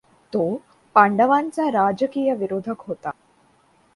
तो पांडवांचा राजकीय विरोधक होता.